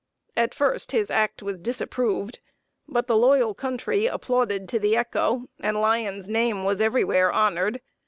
At first his act was disapproved. But the loyal country applauded to the echo, and Lyon's name was everywhere honored.